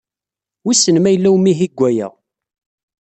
Wissen ma yella umihi deg uya.